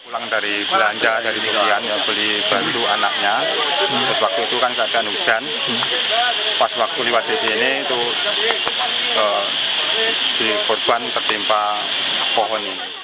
pas waktu lewat di sini di korban tertimpa pohon ini